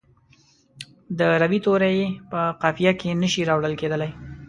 د روي توري یې په قافیه کې نه شي راوړل کیدلای.